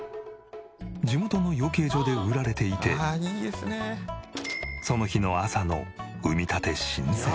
地元の養鶏場で売られていてその日の朝の産みたて新鮮！